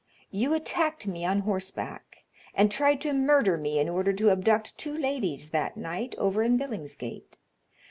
You attacked me on horseback, and tried to murder me in order to abduct two ladies that night over in Billingsgate.